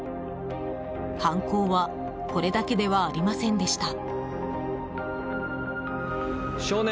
犯行はこれだけではありませんでした。